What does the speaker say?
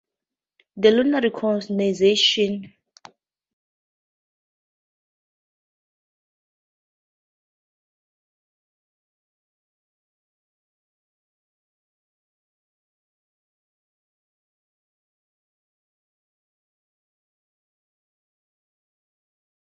She was buried in Indianapolis, Indiana in Crown Hill Cemetery.